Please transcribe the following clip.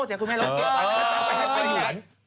เจ๊คุณแม่เราก็เกลียดไป